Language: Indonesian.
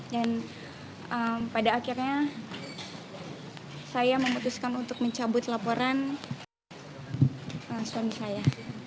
dan pada akhirnya saya memutuskan untuk mencabut laporan suami saya